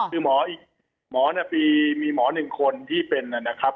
คือหมออีกหมอมีหมอหนึ่งคนที่เป็นนะครับ